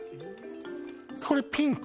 これピンク？